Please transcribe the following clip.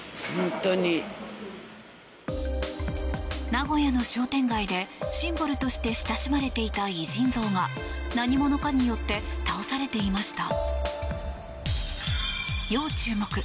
名古屋の商店街でシンボルとして親しまれていた偉人像が何者かによって倒されていました。